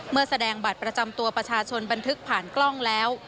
แสดงบัตรประจำตัวประชาชนบันทึกผ่านกล้องแล้ว